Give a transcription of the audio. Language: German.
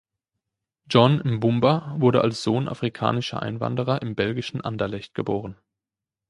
John M’Bumba wurde als Sohn afrikanischer Einwanderer im belgischen Anderlecht geboren.